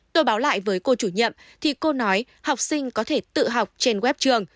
tôi báo lại với cô chủ nhiệm thì cô nói học sinh có thể tự học trên web trường